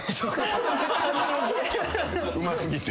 うま過ぎて？